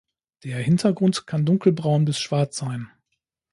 Der Hintergrund kann dunkelbraun bis schwarz sein.